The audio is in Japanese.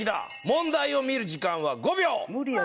問題を見る時間は５秒。